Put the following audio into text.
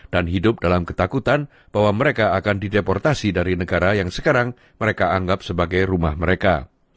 hidup dalam ketakutan bahwa mereka akan dideportasi dari negara yang sekarang mereka anggap sebagai rumah mereka